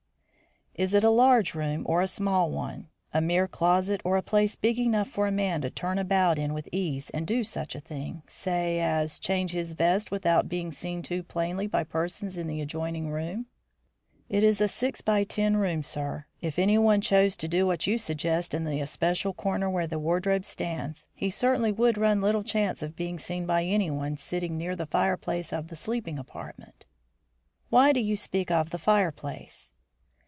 "Is it a large room or a small one; a mere closet or a place big enough for a man to turn about in with ease and do such a thing, say, as change his vest without being seen too plainly by persons in the adjoining room?" "It is a six by ten room, sir. If anyone chose to do what you suggest in the especial corner where the wardrobe stands, he certainly would run little chance of being seen by anyone sitting near the fireplace of the sleeping apartment." "Why do you speak of the fireplace?"